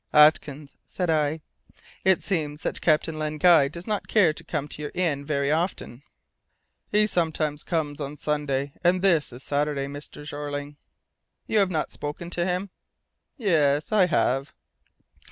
"Atkins," said I, "it seems that Captain Len Guy does not care to come to your inn very often?" "He sometimes comes on Sunday, and this is Saturday, Mr. Jeorling." "You have not spoken to him?" "Yes, I have."